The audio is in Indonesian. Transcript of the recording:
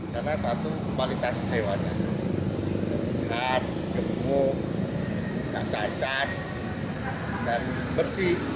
karena satu kualitas hewannya sehat gemuk tidak cacat dan bersih